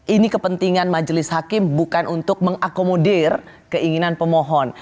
ini kepentingan majelis hakim bukan untuk mengakomodir keinginan pemohon